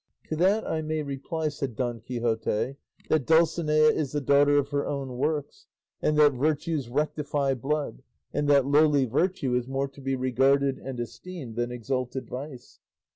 "To that I may reply," said Don Quixote, "that Dulcinea is the daughter of her own works, and that virtues rectify blood, and that lowly virtue is more to be regarded and esteemed than exalted vice.